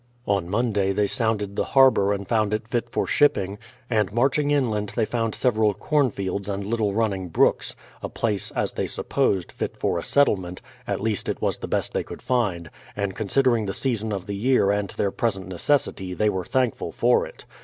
On IMonday they sounded the harbour and found it fit for shipping; and marching inland they found several cornfields and little running brooks, — a place, as they supposed, fit for a settlement, at least it was the best they could find, and considering the season of the year and their present necessity they were thankful for it.